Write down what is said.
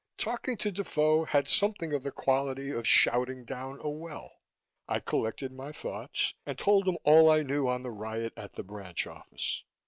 Talking to Defoe had something of the quality of shouting down a well. I collected my thoughts and told him all I knew on the riot at the branch office.